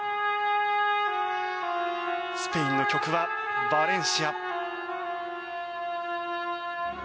スペインの曲は「バレンシア」。